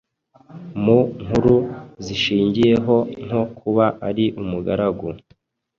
mu nkuru zishingiyeho nko kuba ari umugaragu